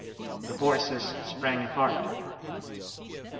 The horses sprang apart.